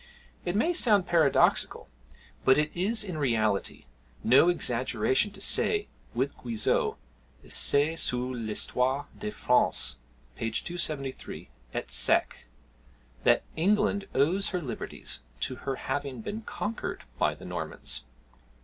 It may sound paradoxical, but it is in reality no exaggeration to say, with Guizot, [Essais sur l'Histoirs de France, p. 273, et seq.] that England owes her liberties to her having been conquered by the Normans.